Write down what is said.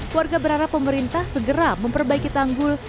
warga berharap pemerintah segera memperbaiki tanggul